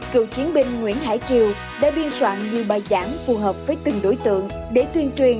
cựu chiến binh nguyễn hải triều đã biên soạn nhiều bài giảng phù hợp với từng đối tượng để tuyên truyền